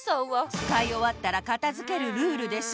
つかいおわったらかたづけるルールでしょ！